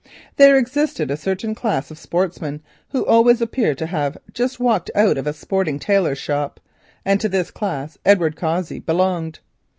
There exists a certain class of sportsmen who always appear to have just walked out of a sporting tailor's shop, and to this class Edward Cossey belonged.